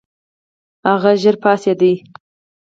هغه ژر پاڅېد.